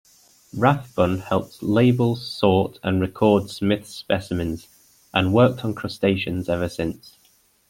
Rathbun helped label, sort and record Smith's specimens, and worked on crustaceans ever since.